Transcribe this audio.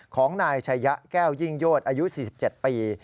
ของนายชัยยะแก้วยิ่งโยชอายุ๔๗ปี